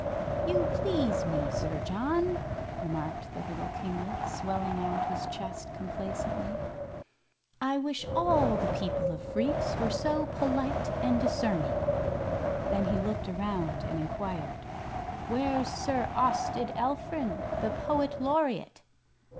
"You please me, Sir John," remarked the little kinglet, swelling out his chest complacently. "I wish all the people of Phreex were so polite and discerning." Then he looked around and inquired: "Where's Sir Austed Alfrin, the Poet Laureate?"